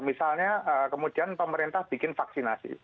misalnya kemudian pemerintah bikin vaksinasi